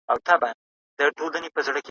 په نړۍ کي د ریښتیاوو ملاتړ وکړئ.